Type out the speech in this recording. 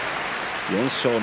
４勝目。